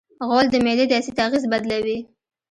غول د معدې د اسید اغېز بدلوي.